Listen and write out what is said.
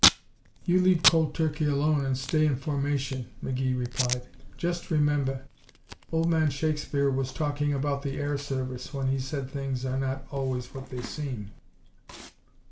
"You leave cold turkey alone and stay in formation," McGee replied. "Just remember, old man Shakespeare was talking about the air service when he said 'things are not always what they seem'."